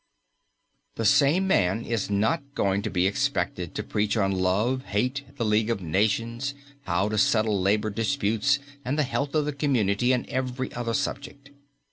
The same man is not going to be expected to preach on Love, Hate, the League of Nations, How to Settle Labour Disputes and the Health of the Community and every other subject.